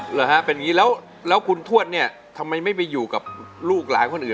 เหรอฮะเป็นอย่างนี้แล้วคุณทวดเนี่ยทำไมไม่ไปอยู่กับลูกหลานคนอื่น